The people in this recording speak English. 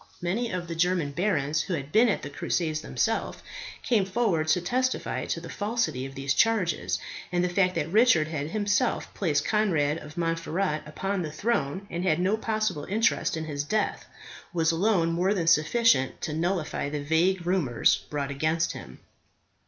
Many of the German barons who had been at the crusades themselves came forward to testify to the falsity of these charges, and the fact that Richard had himself placed Conrad of Montferat upon the throne, and had no possible interest in his death, was alone more than sufficient to nullify the vague rumours brought against him.